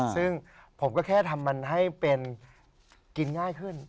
ซึ่งผมก็แค่ทำมันให้เป็นกินง่ายขึ้น